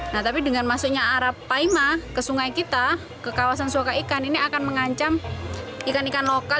nah tapi dengan masuknya arapaima ke sungai kita ke kawasan suaka ikan ini akan mengancam ikan ikan lokal